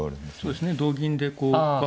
同銀でこう。